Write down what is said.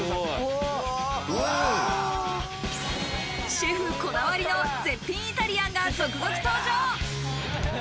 シェフこだわりの絶品イタリアンが続々登場。